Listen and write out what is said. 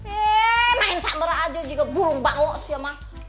eh main sabar aja jika burung bango sih mah